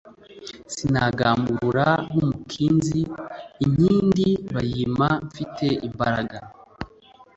Sinagamburura nk'umukinzi, inkindi bayimpa mfite imbaraga.